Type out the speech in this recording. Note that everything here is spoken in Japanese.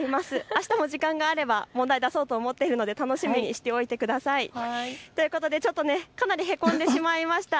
あしたも時間があれば問題、出そうと思っているので楽しみにしておいてください。ということでかなりへこんでしまいました。